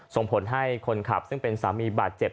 ส่งผลให้คนขับซึ่งเป็นสามีบาดเจ็บ